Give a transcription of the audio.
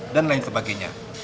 dan lain sebagainya